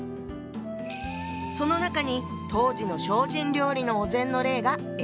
その中に当時の精進料理のお膳の例が描かれているわ。